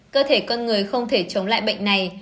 cơ thể con người không thể chống lại bệnh này